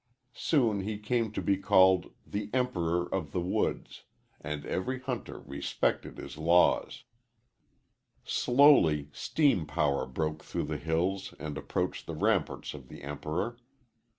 Soon he came to be called "The Emperor of the Woods," and every hunter respected his laws. Slowly steam power broke through the hills and approached the ramparts of the Emperor.